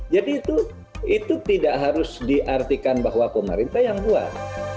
jadi itu tidak harus diartikan bahwa pemerintah yang buat